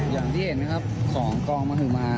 อย่างที่เห็นนะครับสองกลองมันถึงมา